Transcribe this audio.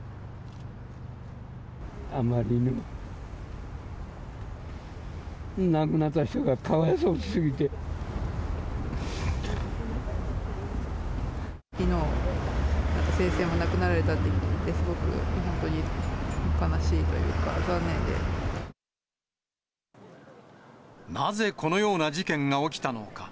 あまりにも亡くなった人がかきのう、先生も亡くなられたと聞いて、すごく本当に悲しいというか、なぜこのような事件が起きたのか。